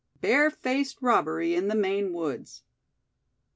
BARE FACED ROBBERY IN THE MAINE WOODS.